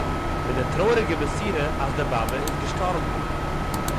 מיט דער טרויעריגער בשורה אַז די באַבע איז געשטאָרבן